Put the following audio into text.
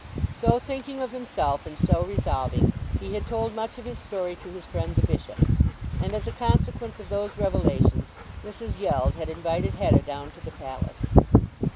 So thinking of himself and so resolving, he had told much of his story to his friend the Bishop, and as a consequence of those revelations Mrs. Yeld had invited Hetta down to the palace.